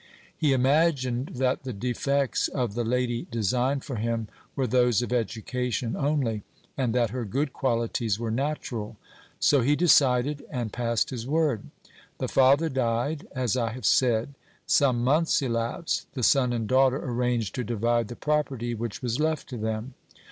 He imagined that the defects of the lady designed for him were those of education only, and that her good qualities were natural. So he decided, and passed his word. The father died, as I have said ; some months elapsed, the son and daughter arranged to divide the property which was left to them.